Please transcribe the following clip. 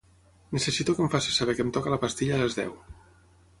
Necessito que em facis saber que em toca la pastilla a les deu.